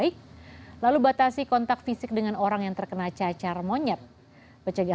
penularan juga dapat terjadi dengan online globally sor k dua ratus enam puluh empat asap maupun tambah kontak secara